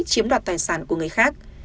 chiếm đoạt tài sản của người khác